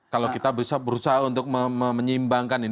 kalau kita berusaha untuk menyeimbangkan ini